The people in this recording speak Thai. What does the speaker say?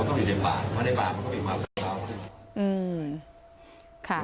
ถ้าไม่ได้บาปมันก็เป็นความเป็นเกลียดเกลียดเกลียด